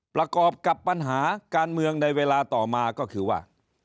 ประกอบกับปัญหาการเมืองในเวลาต่อมาก็คือว่า